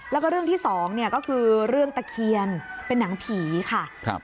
แล้วก็เรื่องที่สองเนี่ยก็คือเรื่องตะเคียนเป็นหนังผีค่ะครับ